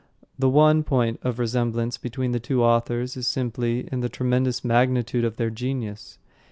The one point of resemblance between the two authors is simply in the tremendous magnitude of their genius.